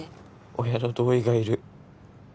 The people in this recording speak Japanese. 親の同意がいる